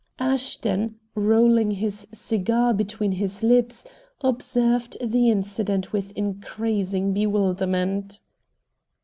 Ashton, rolling his cigar between his lips, observed the incident with increasing bewilderment.